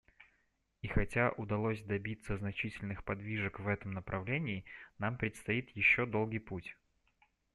И хотя удалось добиться значительных подвижек в этом направлении, нам предстоит еще долгий путь.